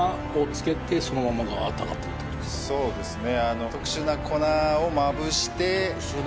そうですね